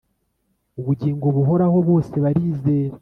Ubugingo buhoraho bose barizera